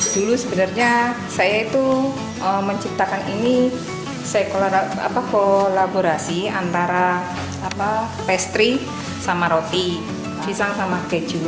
dulu sebenarnya saya itu menciptakan ini saya kolaborasi antara pastry sama roti pisang sama keju